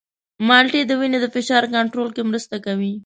مالټې د وینې د فشار کنټرول کې مرسته کوي.